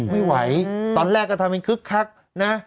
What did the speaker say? ไม่ไหวตอนแรกก็ทำเป็นคึกคักนะ